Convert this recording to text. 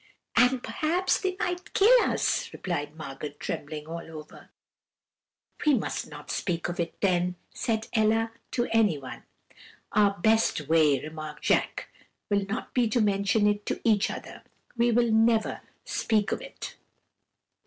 "'And perhaps they might kill us,' replied Margot, trembling all over. "'We must not speak of it, then,' said Ella, 'to anyone.' "'Our best way,' remarked Jacques, 'will be not to mention it to each other. We will never speak of it.'